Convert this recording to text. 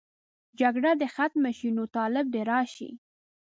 جګړه دې ختمه شي، نو طالب دې راشي.